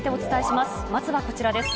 まずはこちらです。